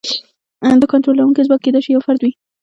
دا کنټرولونکی ځواک کېدای شي یو فرد وي.